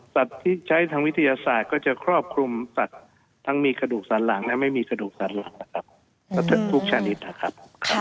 สัตว์ที่ใช้ทางวิทยาศาสตร์ก็จะควบคุมสัตว์ทั้งมีขนากดสัตว์หลังเนี่ยไม่มีขนากดสัตว์หลังนะครับ